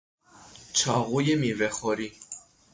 چاقوی میوهخوری